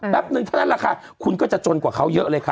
แป๊บนึงถ้าแน่นนุหาค่ะคุณก็จะจนกว่าเขาเยอะเลยค่ะ